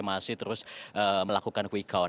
masih terus melakukan quick count